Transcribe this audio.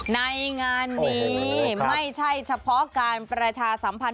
ในงานนี้ไม่ใช่เฉพาะการประชาสัมพันธ